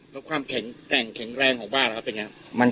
แล้วความแข็งแรงของบ้านล่ะเป็นยังไง